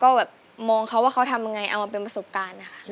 ก็แบบมองเขาว่าเขาทำยังไงเอามาเป็นประสบการณ์นะคะ